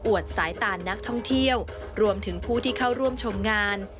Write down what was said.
สายตานักท่องเที่ยวรวมถึงผู้ที่เข้าร่วมชมงาน